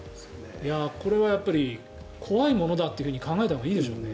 これはやっぱり怖いものだって考えたほうがいいでしょうね。